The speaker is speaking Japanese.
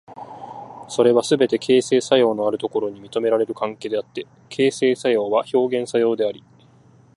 それはすべて形成作用のあるところに認められる関係であって、形成作用は表現作用であり、